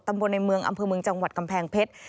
บนในเมืองอำเภอเมืองจังหวัดกำแพงเพชร